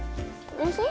おいしい？